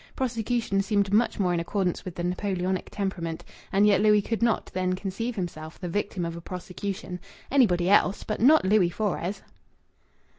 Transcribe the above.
Prosecution seemed much more in accordance with the Napoleonic temperament, and yet Louis could not, then, conceive himself the victim of a prosecution.... Anybody else, but not Louis Fores!